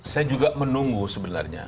saya juga menunggu sebenarnya